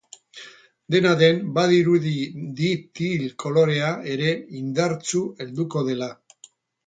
Dena den, badirudi deep teal kolorea ere indartsu helduko dela.